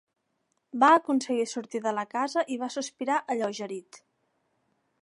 Va aconseguir sortir de la casa i va sospirar alleugerit.